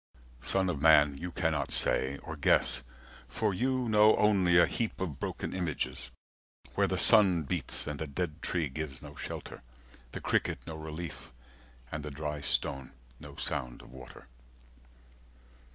Son of man, 20 You cannot say, or guess, for you know only A heap of broken images, where the sun beats, And the dead tree gives no shelter, the cricket no relief, And the dry stone no sound of water.